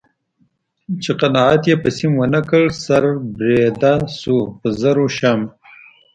چې قناعت یې په سیم و نه کړ سر بریده شوه په زرو شمع